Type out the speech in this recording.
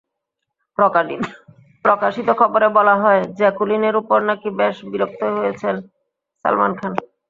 প্রকাশিত খবরে বলা হয়, জ্যাকুলিনের ওপর নাকি বেশ বিরক্তই হয়েছেন সালমান খান।